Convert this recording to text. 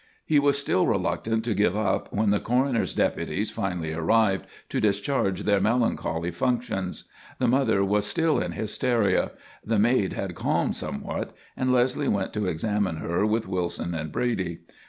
He was still reluctant to give up when the coroner's deputies finally arrived to discharge their melancholy functions. The mother was still in hysteria. The maid had calmed somewhat, and Leslie went to examine her with Wilson and Brady.